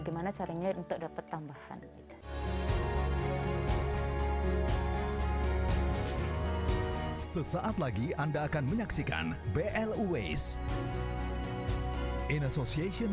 gimana caranya untuk dapat tambahan sesaat lagi anda akan menyaksikan blue in association